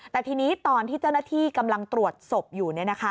แต่ทีนี้ตอนที่เจ้าหน้าที่กำลังตรวจศพอยู่